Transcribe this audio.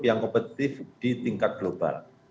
yang kompetitif di tingkat global